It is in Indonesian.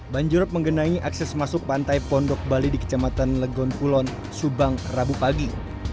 banjirop menggenangi akses masuk pantai pondok bali di kecamatan legon kulon subang rabu pagi